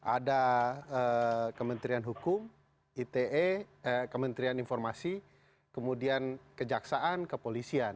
ada kementerian hukum ite kementerian informasi kemudian kejaksaan kepolisian